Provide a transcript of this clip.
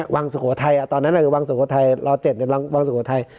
สุโขทัยตอนนั้นวังสุโขทัยล๗วังสุโขทัย